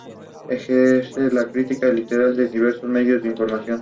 Ejerce la crítica literaria en diversos medios de información.